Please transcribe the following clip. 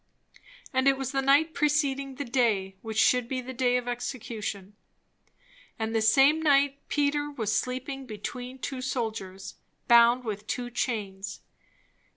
And it was the night preceding the day which should be the day of execution; "and the same night Peter was sleeping between two soldiers, bound with two chains."